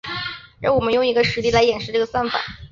让我们用一个实例来演示这个算法。